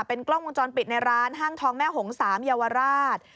เป็นกล้องวงจรปิดในร้านห้างทองแม่หง๓เยาวราช